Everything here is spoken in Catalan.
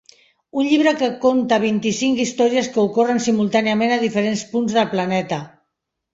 Un llibre que conta vint-i-cinc històries que ocorren simultàniament a diferents punts del planeta.